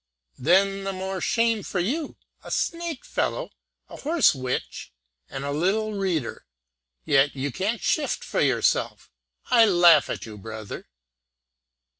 "Then the more shame for you a snake fellow a horse witch and a lil reader yet you can't shift for yourself. I laugh at you, brother!"